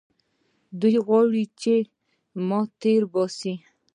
دوى غواړي چې ما تېر باسي.